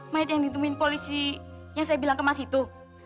mayat yang ditemuin polisi yang saya bilang ke mas itu